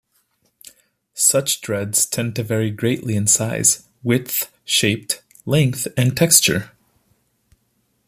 Such dreads tend to vary greatly in size, width, shape, length, and texture.